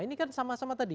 ini kan sama sama tadi